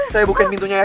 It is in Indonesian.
saya bukain pintunya ya